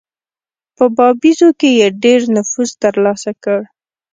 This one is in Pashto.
په باییزو کې یې ډېر نفوذ ترلاسه کړ.